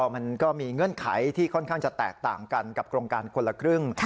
มันก็มีเงื่อนไขที่ค่อนข้างจะแตกต่างกันกับโครงการคนละครึ่ง